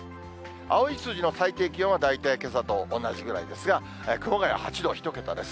青い数字の最低気温は大体けさと同じぐらいですが、熊谷８度、１桁です。